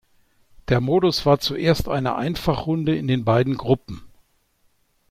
Der Modus war zuerst eine Einfachrunde in den beiden Gruppen.